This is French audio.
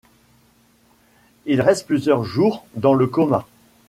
Il reste plusieurs jours dans le coma.